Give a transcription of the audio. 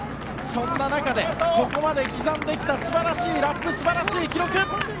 そんな中でここまで刻んできた素晴らしいラップ素晴らしい記録！